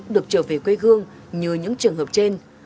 được trở về quê hương như những trường hợp trên